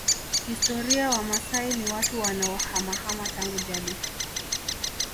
Historia Wamaasai ni watu wanaohamahama tangu jadi